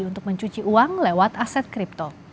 untuk mencuci uang lewat aset kripto